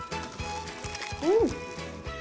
うん！